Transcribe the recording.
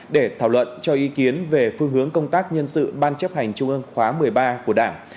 để thảo luận cho ý kiến về phương hướng công tác nhân sự ban chấp hành trung ương khóa một mươi ba của đảng